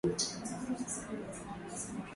Ni muhimu kukomesha tabia hiyo.